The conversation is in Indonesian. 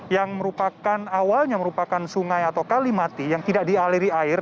yang merupakan awalnya merupakan sungai atau kali mati yang tidak dialiri air